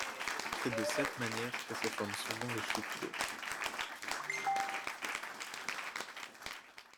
C’est de cette manière que se forment souvent les chutes d’eau.